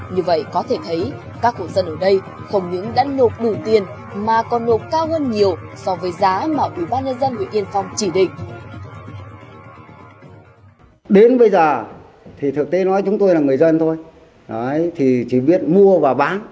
như vậy có thể thấy các hộ dân ở đây không những đã nộp đủ tiền mà còn nộp cao hơn nhiều so với giá mà ủy ban nhân dân huyện yên phong chỉ định